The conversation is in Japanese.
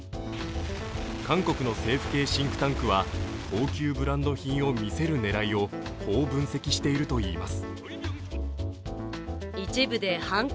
韓国の政府系シンクタンクは高級ブランド品を見せる狙いをこう分析しているといいます。